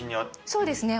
そうですね